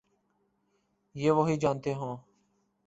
یہ وہی جانتے ہوں۔